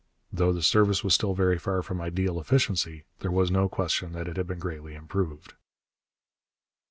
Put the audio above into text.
Though the service was still very far from ideal efficiency, there was no question that it had been greatly improved.